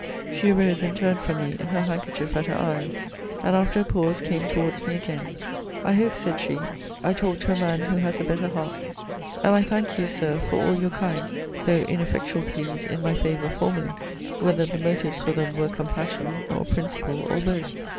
She arose and turned from me, her handkerchief at her eyes: and, after a pause, came towards me again 'I hope, said she, I talk to a man who has a better heart: and I thank you, Sir, for all your kind, though ineffectual pleas in my favour formerly, whether the motives for them were compassion, or principle, or both.